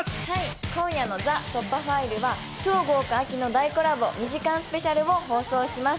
今夜の『ＴＨＥ突破ファイル』は超豪華秋の大コラボ２時間スペシャルを放送します。